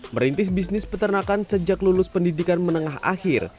merintis bisnis peternakan sejak lulus pendidikan menengah akhir